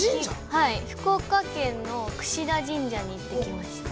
福岡県の櫛田神社に行ってきました。